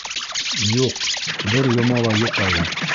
— Юҡ, бер йома ла юҡ әле.